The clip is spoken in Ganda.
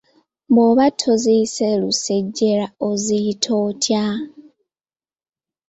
Bw'oba toziyize lusejjera oziyita otya?